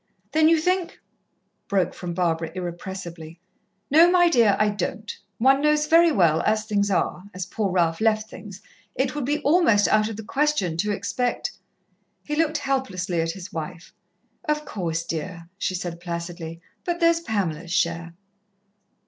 "Then you think " broke from Barbara irrepressibly. "No, my dear, I don't. One knows very well, as things are as poor Ralph left things it would be almost out of the question to expect " He looked helplessly at his wife. "Of course, dear," she said placidly. "But there's Pamela's share."